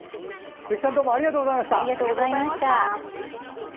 鈴木さんどうもありがとうございました。